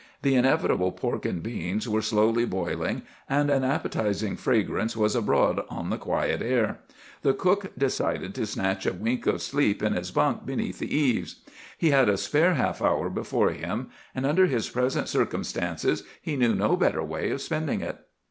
The inevitable pork and beans were slowly boiling, and an appetizing fragrance was abroad on the quiet air. The cook decided to snatch a wink of sleep in his bunk beneath the eaves. He had a spare half hour before him, and under his present circumstances he knew no better way of spending it.